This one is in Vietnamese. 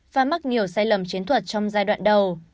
và mắc nhiều sai lầm chiến thuật trong giai đoạn đầu